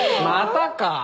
またか。